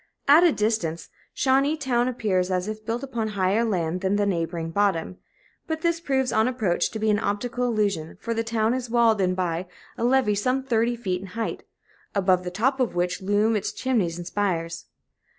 At a distance, Shawneetown appears as if built upon higher land than the neighboring bottom; but this proves, on approach, to be an optical illusion, for the town is walled in by a levee some thirty feet in height, above the top of which loom its chimneys and spires.